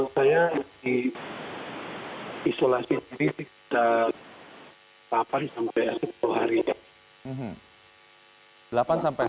saya di isolasi sendiri sekitar delapan sampai sepuluh hari